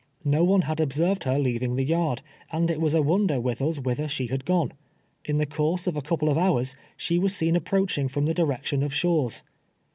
Ko one had observed her leaving the yard, and it was a won der with us whither she had gone. In the course of a couple of hours she was seen approaching from the direction of Shaw's.